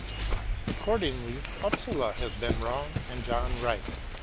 Accordingly Upsala had been wrong, and John right.